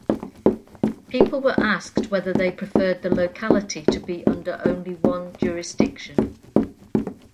People were asked whether they preferred the locality to be under only one jurisdiction.